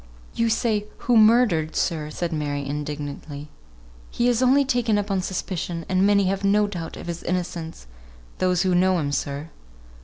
"You say 'who murdered,' sir!" said Mary, indignantly. "He is only taken up on suspicion, and many have no doubt of his innocence those who know him, sir."